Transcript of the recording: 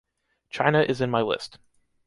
China is in my list.